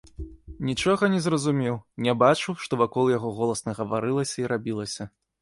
Нічога не зразумеў, не бачыў, што вакол яго голасна гаварылася і рабілася.